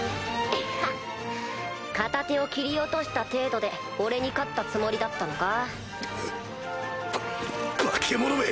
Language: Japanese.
ハッ片手を切り落とした程度で俺に勝ったつもりだったのか？ば化け物め！